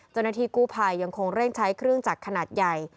เจ้าหน้าที่กู้ภัยยังคงเร่งใช้เครื่องจักรขนาดใหญ่